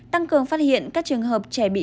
tăng cường phát hiện các trường hợp trẻ bị